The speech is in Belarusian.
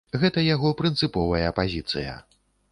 Гэта яго прынцыповая пазіцыя!